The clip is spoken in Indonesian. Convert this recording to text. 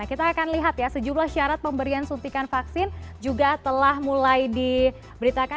kita akan lihat ya sejumlah syarat pemberian suntikan vaksin juga telah mulai diberitakan